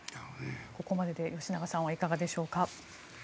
ここまでで吉永さんはいかがでしょうか。